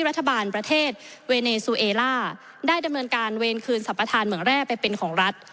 รัฐบาลประเทศเวเนซูเอล่าได้ดำเนินการเวรคืนสรรพทานเหมืองแร่ไปเป็นของรัฐ